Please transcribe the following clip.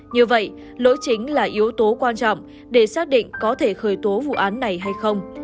như vậy lỗi chính là yếu tố quan trọng để xác định có thể khởi tố vụ án này hay không